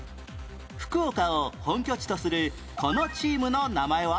福岡を本拠地とするこのチームの名前は？